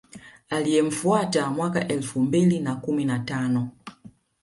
Aliyemfuata mwaka elfu mbili na kumi na tano